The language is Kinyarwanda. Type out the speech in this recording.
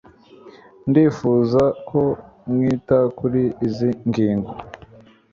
ndifuza ko mwita kuri izi ngingo